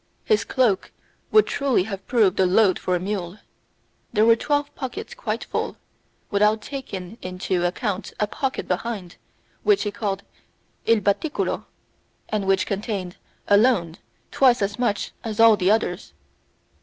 His cloak would truly have proved a load for a mule. There were twelve pockets quite full, without taken into account a pocket behind, which he called 'il batticulo', and which contained alone twice as much as all the others.